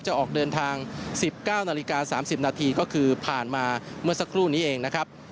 จะออกเดินทางสิบเก้านาฬิกาสามสิบนาทีก็คือผ่านมาเมื่อสักครู่นี้เองนะครับ